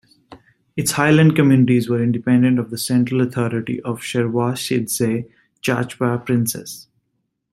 Its highland communities were independent of the central authority of Shervashidze-Chachba princes.